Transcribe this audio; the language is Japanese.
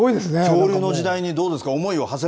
恐竜の時代にどうですか？